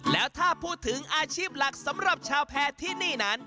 แล้วถ้าพูดถึงอาชีพหลักสำหรับชาวแพร่ที่นี่นั้น